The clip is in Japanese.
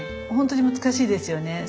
本当に難しいですよね。